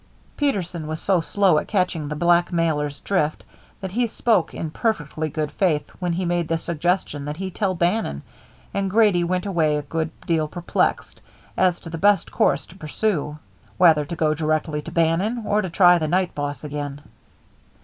Peterson was so slow at catching the blackmailer's drift that he spoke in perfectly good faith when he made the suggestion that he tell Bannon, and Grady went away a good deal perplexed as to the best course to pursue, whether to go directly to Bannon, or to try the night boss again.